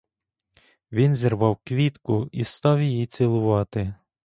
Він зірвав квітку і став її цілувати.